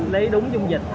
lấy đúng dung dịch